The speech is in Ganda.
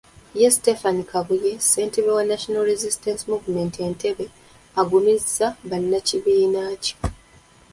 Ye Stephen Kabuye, ssentebe wa National Resistance Movement e Ntebe agumizza bannakibiina kye.